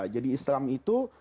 jadi islam itu